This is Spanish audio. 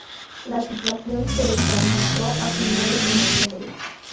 La situación se estabilizó a finales de noviembre.